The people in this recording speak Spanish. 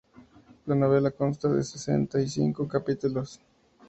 La novela consta de sesenta y cinco capítulos.